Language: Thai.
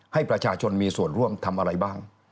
ให้ประชาชนมีส่วนร่วมทำอะไรบ้าง